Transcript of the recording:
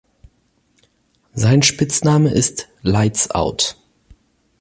Sein Spitzname ist "Lights Out".